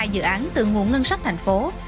tám mươi hai dự án từ nguồn ngân sách thành phố